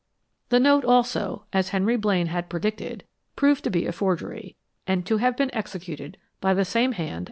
The note also, as Henry Blaine had predicted, proved to be a forgery and to have been executed by the same hand as the letter.